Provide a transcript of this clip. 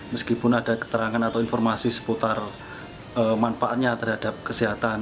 meskipun ada keterangan atau informasi seputar manfaatnya terhadap kesehatan